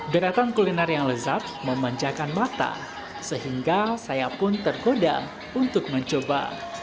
beratan kuliner yang lezat memanjakan mata sehingga saya pun tergoda untuk mencoba